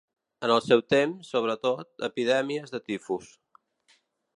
En el seu temps, sobretot, epidèmies de tifus.